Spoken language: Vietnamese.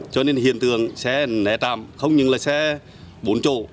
cho nên hiện tượng xe né trạm không những là xe bốn chỗ